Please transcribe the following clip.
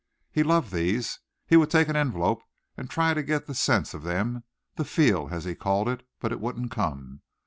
He loved these. He would take an envelope and try to get the sense of them the feel, as he called it but it wouldn't come.